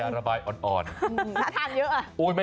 ยาระบายอ่อนโอ้ยไม่อ่อนถ้าทานเยอะ